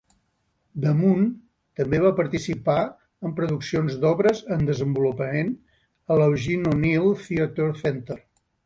DeMunn també va participar en produccions d'obres en desenvolupament a l'Eugene O'Neill Theater Center.